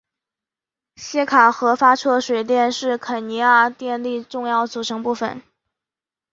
锡卡河发出的水电是肯尼亚电力的重要组成部分。